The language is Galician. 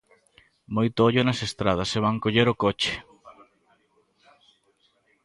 Moito ollo nas estradas se van coller o coche.